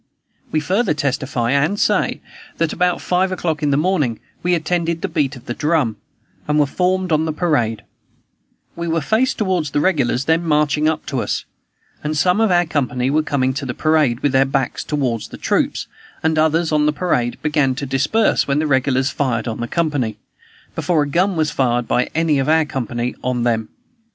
We further testify and say, that, about five o'clock in the morning, we attended the beat of our drum, and were formed on the parade; we were faced toward the regulars then marching up to us, and some of our company were coming to the parade with their backs toward the troops, and others, on the parade, began to disperse, when the regulars fired on the company, before a gun was fired by any of our company on them.